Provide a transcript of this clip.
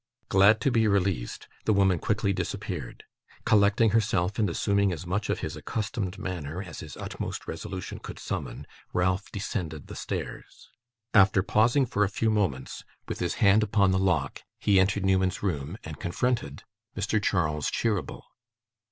Glad to be released, the woman quickly disappeared. Collecting himself, and assuming as much of his accustomed manner as his utmost resolution could summon, Ralph descended the stairs. After pausing for a few moments, with his hand upon the lock, he entered Newman's room, and confronted Mr. Charles Cheeryble.